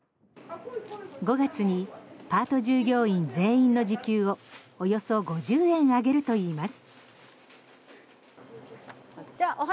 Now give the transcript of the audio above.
５月にパート従業員全員の時給をおよそ５０円上げるといいます。